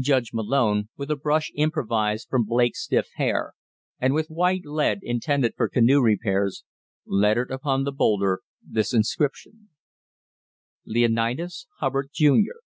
Judge Malone, with a brush improvised from Blake's stiff hair, and with white lead intended for canoe repairs, lettered upon the boulder this inscription: Leonidas Hubbard, Jr.